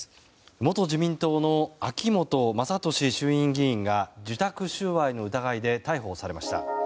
元自民党の秋本真利衆院議員が受託収賄の疑いで逮捕されました。